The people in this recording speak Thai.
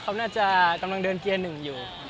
เขาน่าจะกำลังเดินเกียร์หนึ่งอยู่